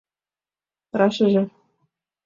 — Рашыже...